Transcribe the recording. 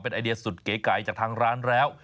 เป็นไอเดียสุดไกลจากทางร้านแล้ว